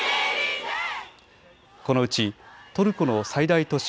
このうちトルコの最大都市